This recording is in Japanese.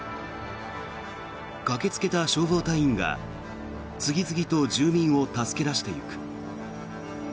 駆けつけた消防隊員が次々と住民を助け出していく。